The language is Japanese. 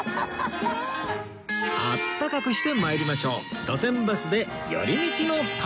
あったかくして参りましょう